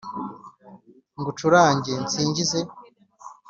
Ngucurange nsingize